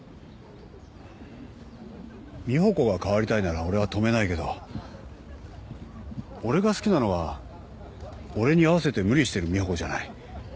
美帆子が変わりたいなら俺は止めないけど俺が好きなのは俺に合わせて無理してる美帆子じゃない。